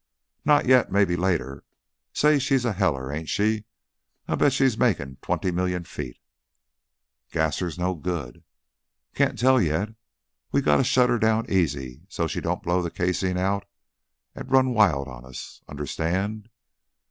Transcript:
"Not yet. May be later. Say, she's a heller, ain't she? I'll bet she's makin' twenty million feet " "Gasser's no good." "Can't tell yet. We gotta shut her down easy so she don't blow the casing out run wild on us, understand?"